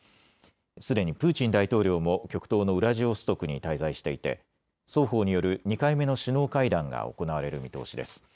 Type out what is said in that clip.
すでにプーチン大統領も極東のウラジオストクに滞在していて双方による２回目の首脳会談が行われる見通しです。